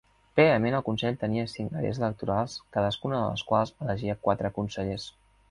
Prèviament el consell tenia cinc àrees electorals cadascuna de les quals elegia quatre consellers.